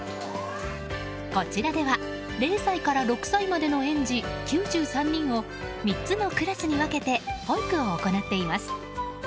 こちらでは、０歳から６歳までの園児９３人を３つのクラスに分けて保育を行っています。